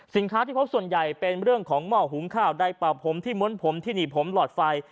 ที่พบส่วนใหญ่เป็นเรื่องของหม้อหุงข้าวใดเป่าผมที่ม้วนผมที่หนีผมหลอดไฟ